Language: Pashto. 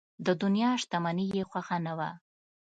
د دنیا شتمني یې خوښه نه وه.